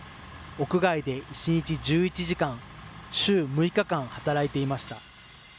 屋外で１日１１時間、週６日間働いていました。